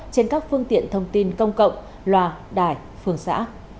trên các phương tiện thông tin công cộng loà đài phương xã